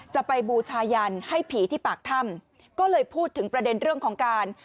จะไปบูชายันให้ผีที่ปากถ้ำก็เลยพูดถึงประเด็นเรื่องของการ